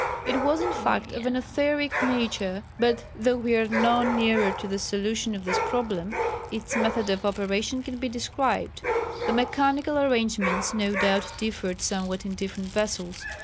It was in fact of an etheric nature, but though we are no nearer to the solution of the problem, its method of operation can be described. The mechanical arrangements no doubt differed somewhat in different vessels.